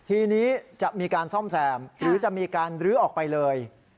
ทีนี้จะมีการซ่อมแซมหรือจะมีการลื้อออกไปเลย